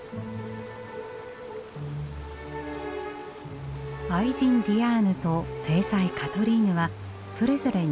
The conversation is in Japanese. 愛人ディアーヌと正妻カトリーヌはそれぞれ庭も作りました。